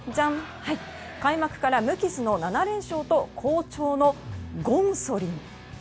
開幕から無傷の７連勝と好調のゴンソリン。